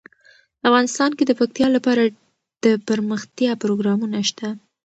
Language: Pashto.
افغانستان کې د پکتیا لپاره دپرمختیا پروګرامونه شته.